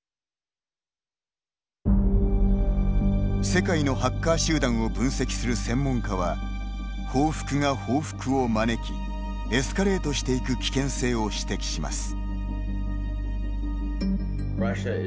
世界のハッカー集団を分析する専門家は報復が報復を招きエスカレートしていく危険性を指摘します。